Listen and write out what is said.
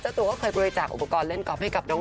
เจ้าตัวก็เคยบริจาคอุปกรณ์เล่นกอล์ฟ